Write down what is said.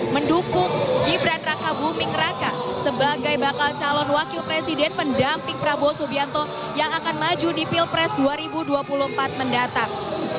mendukung gibran raka buming raka sebagai bakal calon wakil presiden pendamping prabowo subianto yang akan maju di pilpres dua ribu dua puluh empat mendatang